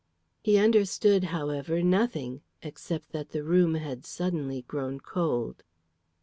He understood, however, nothing except that the room had suddenly grown cold.